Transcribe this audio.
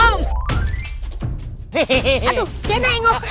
aduh dia naik ngok